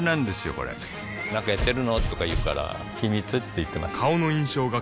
これなんかやってるの？とか言うから秘密って言ってます